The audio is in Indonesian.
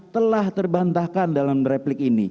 telah terbantahkan dalam repli